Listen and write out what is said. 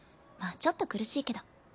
まあちょっと苦しいけど。